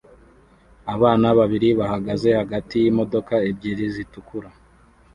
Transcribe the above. Abana babiri bahagaze hagati yimodoka ebyiri zitukura